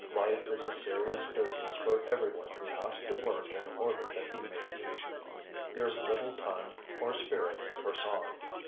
Life is a serious business for everyone who has to work in order that he may eat; there is little time or spirit for song.